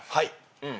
うん。